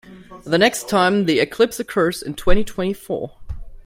The next time the eclipse occurs is in twenty-twenty-four.